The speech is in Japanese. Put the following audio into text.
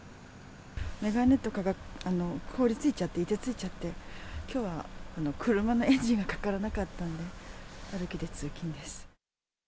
眼鏡とかが凍りついちゃって、いてついちゃって、きょうは車のエンジンがかからなかったので、歩きで通勤です。